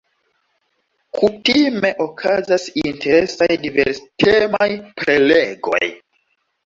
Kutime okazas interesaj, diverstemaj prelegoj.